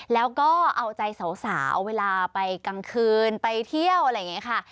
แล้วก็เอาใจสาวเวลาไปกลางคืนไปเที่ยวอะไรอย่างนี้ค่ะ